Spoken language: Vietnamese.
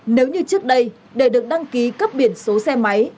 nếu như trước đây để được đăng ký cấp biển số xe máy